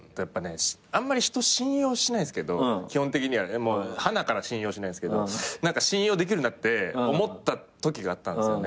あんまり人信用しないんすけど基本的にはねもうはなから信用しないんすけど何か信用できるなって思ったときがあったんですよね。